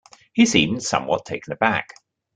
He seemed somewhat taken aback.